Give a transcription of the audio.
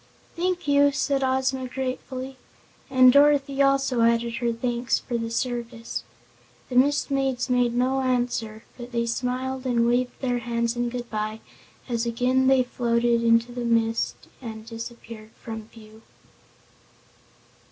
"Thank you!" said Ozma gratefully, and Dorothy also added her thanks for the service. The Mist Maids made no answer, but they smiled and waved their hands in good bye as again they floated out into the mist and disappeared from view.